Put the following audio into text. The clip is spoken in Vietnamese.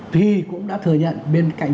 thì cũng đã thừa nhận bên cạnh